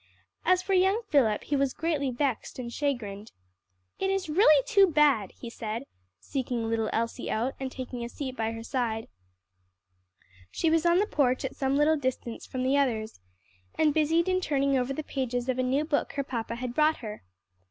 As for young Philip he was greatly vexed and chagrined. "It is really too bad!" he said seeking little Elsie out, and taking a seat by her side. She was on the porch at some little distance from the others, and busied in turning over the pages of a new book her papa had brought her.